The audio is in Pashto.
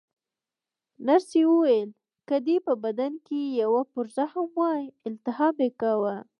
نرسې وویل: که دې په بدن کې یوه پرزه هم وای، التهاب یې کاوه.